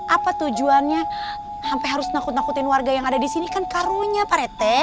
apa tujuannya sampai harus nakut nakutin warga yang ada di sini kan karonya pak rete